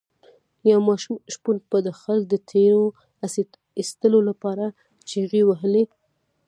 یو ماشوم شپون به د خلکو د تیر ایستلو لپاره چیغې وهلې.